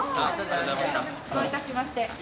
どういたしまして。